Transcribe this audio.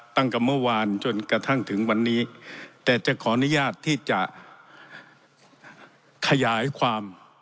ตั้งแต่เมื่อวานจนกระทั่งถึงวันนี้แต่จะขออนุญาตที่จะขยายความ